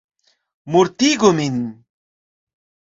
Mortigu min!